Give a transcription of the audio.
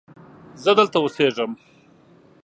زه دلته اوسیږم